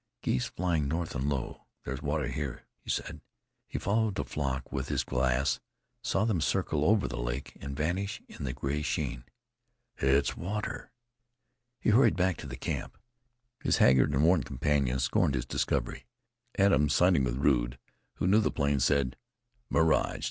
"Geese flying north, and low. There's water here," he said. He followed the flock with his glass, saw them circle over the lake, and vanish in the gray sheen. "It's water." He hurried back to camp. His haggard and worn companions scorned his discovery. Adams siding with Rude, who knew the plains, said: "Mirage!